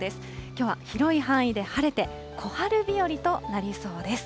きょうは広い範囲で晴れて、小春日和となりそうです。